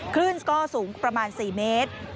ขึ้นสกอร์สูงประมาณ๔เมตร